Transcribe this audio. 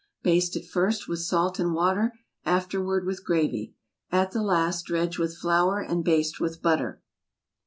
Baste at first with salt and water, afterward with gravy. At the last, dredge with flour and baste with butter.